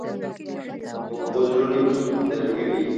پخو زړونو کې نرمي وي